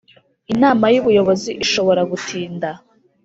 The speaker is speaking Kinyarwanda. inama y ubuyobozi ishobora gutinda